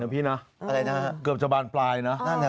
เกือบจะบานปลายเลยนะ